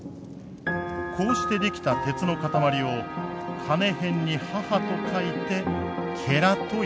こうして出来た鉄の塊を金偏に母と書いてと呼ぶ。